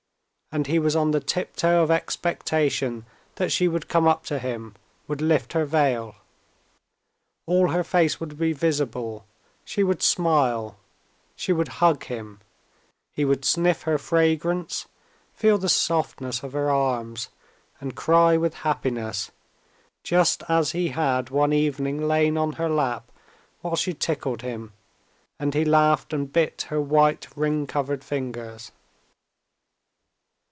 And he was on the tiptoe of expectation that she would come up to him, would lift her veil. All her face would be visible, she would smile, she would hug him, he would sniff her fragrance, feel the softness of her arms, and cry with happiness, just as he had one evening lain on her lap while she tickled him, and he laughed and bit her white, ring covered fingers.